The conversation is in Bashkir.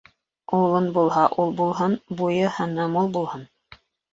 Улын булһа, ул булһын -Буйы-һыны мул булһын.